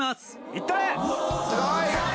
いったれ！